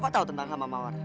bapak tau tentang hama mawar